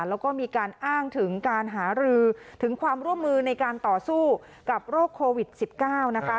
แล้วก็มีการอ้างถึงการหารือถึงความร่วมมือในการต่อสู้กับโรคโควิด๑๙นะคะ